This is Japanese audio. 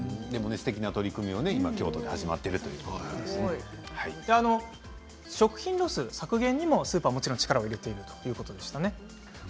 すてきな取り組みが京都で食品ロス削減にもスーパーは力を入れているということでしたね。